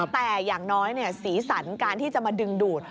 แต่อย่างน้อยสีสันการที่จะมาดึงดูด